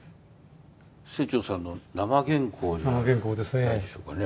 清張さんの生原稿じゃないでしょうかね。